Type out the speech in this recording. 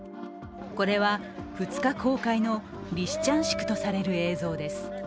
これは２日公開のリシチャンシクとされる映像です。